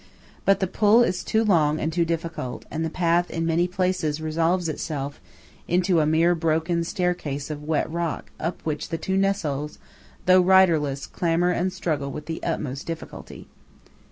But the pull is too long and too difficult; and the path in many places resolves itself into a mere broken staircase of wet rock up which the two Nessols, though riderless, clamber and struggle with the utmost difficulty.